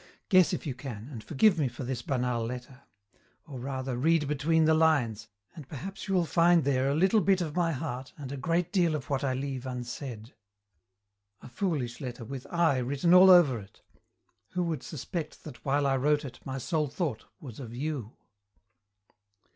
Guess if you can, and forgive me for this banal letter. Or rather, read between the lines, and perhaps you will find there a little bit of my heart and a great deal of what I leave unsaid. "'A foolish letter with "I" written all over it. Who would suspect that while I wrote it my sole thought was of You?'"